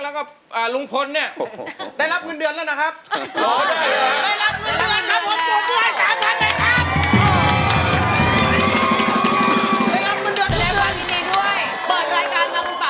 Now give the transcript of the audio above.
และก็เรียนให้ด้วยเปิดรายการ๑๕๐